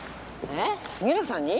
えっ杉浦さんに？